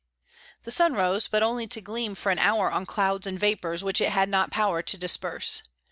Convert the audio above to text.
The sun rose, but only to gleam for an hour on clouds and vapours which it had not power to disperse.